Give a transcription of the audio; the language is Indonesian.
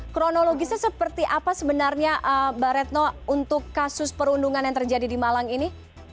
kronologisnya seperti apa sebenarnya mbak retno untuk kasus perundungan yang terjadi di malang ini